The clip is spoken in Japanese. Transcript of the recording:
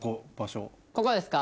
ここですか？